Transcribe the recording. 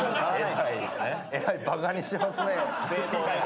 えらいバカにしてますね。